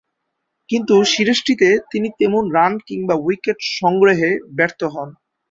কিন্তু সিরিজটিতে তিনি তেমন রান কিংবা উইকেট সংগ্রহে ব্যর্থ হন।